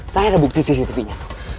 saya ada bukti cctv nya